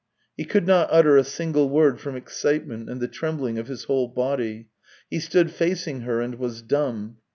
He could not utter a single word from excitement and the trembling of his whole body; he stood facing her and was dumb.